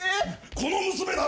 「この娘だろ」